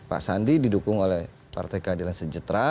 pak sandi didukung oleh partai keadilan sejahtera